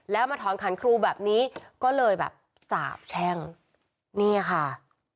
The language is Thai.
แล้วมาถอนขันครูแบบนี้ก็เลยแบบสาบแช่งนี่ค่ะ